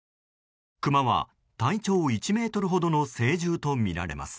クマは、体長１ｍほどの成獣とみられます。